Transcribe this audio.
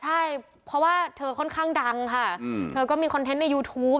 ใช่เพราะว่าเธอค่อนข้างดังค่ะเธอก็มีคอนเทนต์ในยูทูป